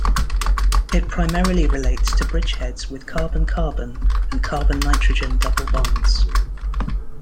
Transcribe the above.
It primarily relates to bridgeheads with carbon-carbon and carbon-nitrogen double bonds.